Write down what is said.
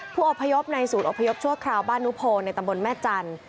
อบพยพในศูนย์อพยพชั่วคราวบ้านนุโพในตำบลแม่จันทร์